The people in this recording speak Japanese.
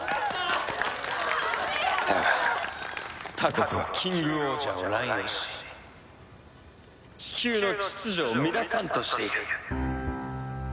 「だが他国はキングオージャーを乱用しチキューの秩序を乱さんとしている」